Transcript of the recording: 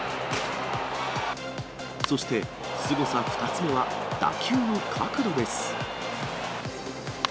そして、すごさ２つ目は、打球の角度です。